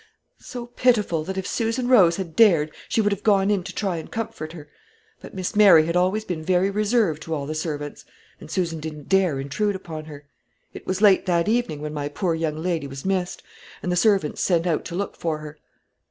so pitiful, that if Susan Rose had dared she would have gone in to try and comfort her; but Miss Mary had always been very reserved to all the servants, and Susan didn't dare intrude upon her. It was late that evening when my poor young lady was missed, and the servants sent out to look for her."